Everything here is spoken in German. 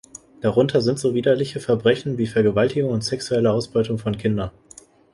Darunter sind so widerliche Verbrechen wie Vergewaltigung und sexuelle Ausbeutung von Kindern.